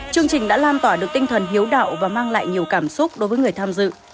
chương trình đã lan tỏa được tinh thần hiếu đạo và mang lại nhiều cảm xúc đối với người tham dự